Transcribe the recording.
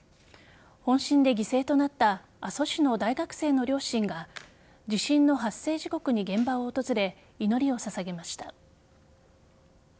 本震で犠牲となった阿蘇市の大学生の両親が地震の発生時刻に現場を訪れ祈りを捧げました。